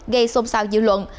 gây xôn xao dữ luận